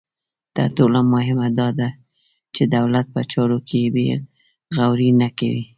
تر ټولو مهمه دا ده چې دولت په چارو کې بې غوري نه کوي.